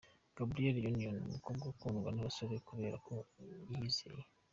Gabrielle Union, umukobwa ukundwa nabasore kubera ko yiyizera.